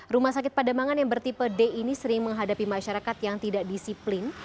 rumah sakit pademangan yang bertipe d ini sering menghadapi masyarakat yang tidak disiplin